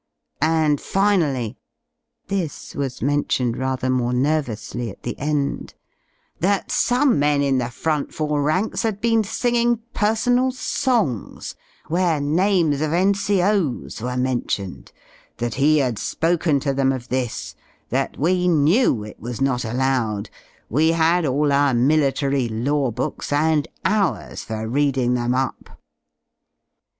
jind finally (this was mentioned rather more nervously at the tn^)ythat some men in the front four ranks had been singing personal songs where names of N.C.O,*s were mentioned; that he had spoken to them of this; that we knew it was not allowed, we had all our military law books and hours for reading them up.